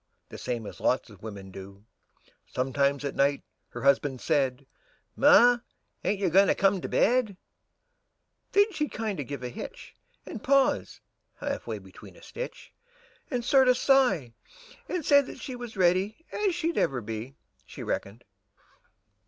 The same as lots of wimmin do; Sometimes at night her husban' said, "Ma, ain't you goin' to come to bed?" And then she'd kinder give a hitch, And pause half way between a stitch. And sorter sigh, and say that she Was ready as she'd ever be. She reckoned.